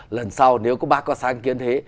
lần sau nếu có bác có sáng kiến thế